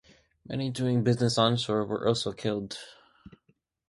Many doing business onshore were also killed.